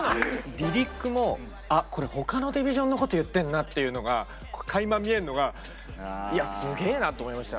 リリックも「あこれ他のディビジョンのこと言ってんな」っていうのがかいま見えんのが「いやすげえな」と思いました。